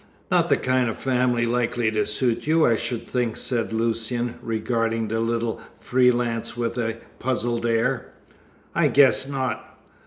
"Not the kind of family likely to suit you, I should think," said Lucian, regarding the little free lance with a puzzled air. "I guess not.